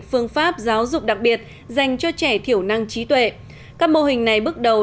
phương pháp giáo dục đặc biệt dành cho trẻ thiểu năng trí tuệ các mô hình này bước đầu